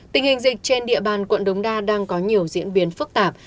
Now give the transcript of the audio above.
tình hình dịch trên địa bàn quận đống đa đang có nhiều diễn biến phức tạp